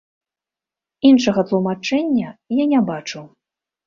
Іншага тлумачэння я не бачу.